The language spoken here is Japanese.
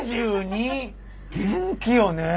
元気よねえ。